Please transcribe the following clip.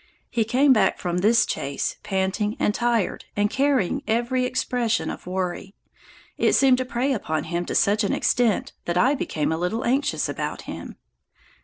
He came back from this chase panting and tired and carrying every expression of worry. It seemed to prey upon him to such an extent that I became a little anxious about him.